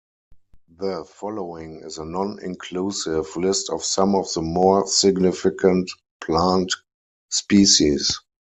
The following is a non-inclusive list of some of the more significant plant species.